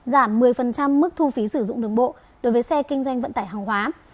giảm một mươi mức thu phí sử dụng đường bộ đối với xe kinh doanh vận tải hàng hóa